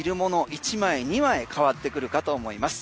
１枚２枚変わってくるかと思います。